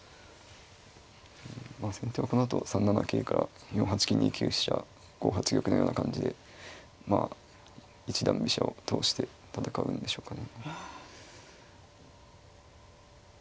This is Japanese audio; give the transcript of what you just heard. まあ先手はこのあと３七桂から４八金２九飛車５八玉のような感じでまあ一段飛車を通して戦うんでしょうかね。